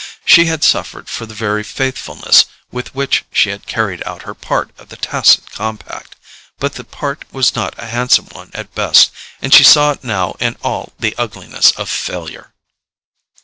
She had suffered for the very faithfulness with which she had carried out her part of the tacit compact, but the part was not a handsome one at best, and she saw it now in all the ugliness of failure.